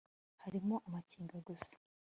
Hariho amakenga gusa